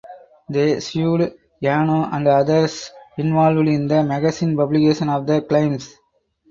They sued Yano and others involved in the magazine publication of the claims.